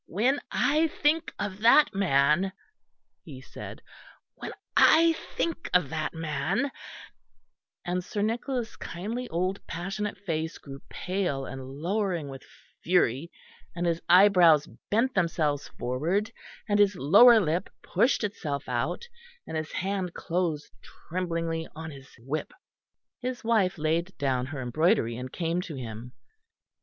When I think of that man," he said, "when I think of that man " and Sir Nicholas' kindly old passionate face grew pale and lowering with fury, and his eyebrows bent themselves forward, and his lower lip pushed itself out, and his hand closed tremblingly on his whip. His wife laid down her embroidery and came to him.